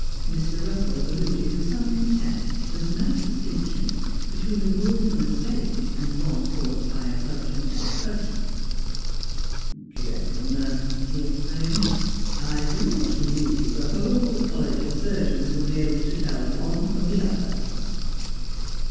Mr. Eussell alluded with some contempt to the nice distinction between a wound from a stake and one caused by a bludgeon or cudgel. ' Gentlemen,' he exclaimed, ' I do not believe the whole College of Surgeons would be able to tell one from the other.'